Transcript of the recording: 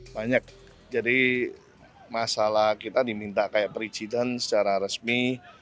banyak jadi masalah kita diminta kayak perizinan secara resmi